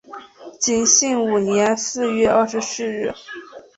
景兴五年四月十二日。